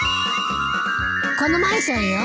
このマンションよ。